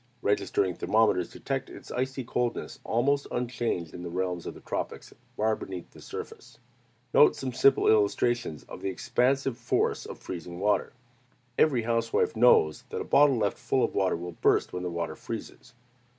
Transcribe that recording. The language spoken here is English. Registering thermometers detect its icy coldness almost unchanged in the realms of the tropics, far beneath the surface. Note some simple illustrations of the expansive force of freezing water. Every housewife knows that a bottle left full of water will burst when the water freezes.